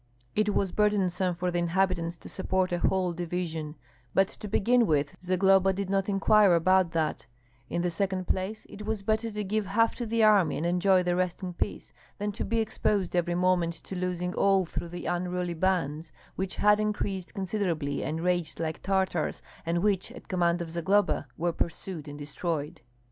It was burdensome for the inhabitants to support a "whole division:" but to begin with, Zagloba did not inquire about that; in the second place, it was better to give half to the army and enjoy the rest in peace, than to be exposed every moment to losing all through the unruly bands, which had increased considerably and raged like Tartars, and which, at command of Zagloba, were pursued and destroyed.